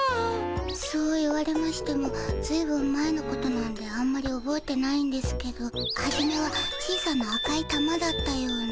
そう言われましてもずいぶん前のことなんであんまりおぼえてないんですけどはじめは小さな赤い玉だったような。